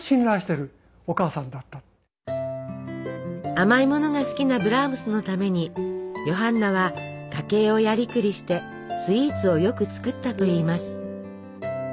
甘いものが好きなブラームスのためにヨハンナは家計をやりくりしてスイーツをよく作ったといいます。